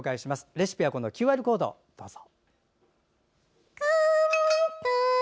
レシピはＱＲコードをどうぞ。